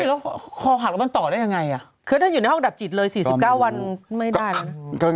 แล้วคอหักแล้วมันต่อได้ยังไงคือถ้าอยู่ในห้องดับจิตเลย๔๙วันไม่ได้นะ